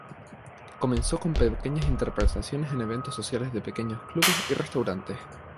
Comenzó con pequeñas interpretaciones en eventos sociales de pequeños clubes y restaurantes.